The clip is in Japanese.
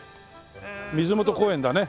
水元公園だね。